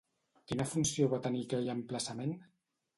Quina funció va tenir aquell emplaçament?